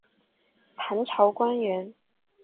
唐朝官员。